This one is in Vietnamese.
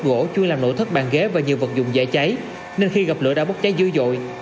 đồ gỗ chuyên làm nổ thất bàn ghế và nhiều vật dùng dễ cháy nên khi gặp lửa đã bốc cháy dư dội